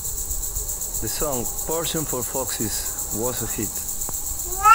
The song "Portions for Foxes" was a hit.